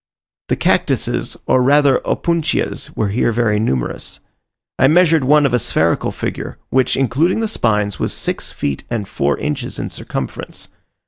The cactuses, or rather opuntias were here very numerous. I measured one of a spherical figure, which, including the spines, was six feet and four inches in circumference.